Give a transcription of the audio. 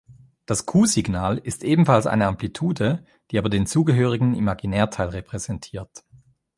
Das Q-Signal ist ebenfalls eine Amplitude, die aber den zugehörigen Imaginärteil repräsentiert.